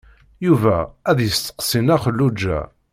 Yuba ad yesteqsi Nna Xelluǧa.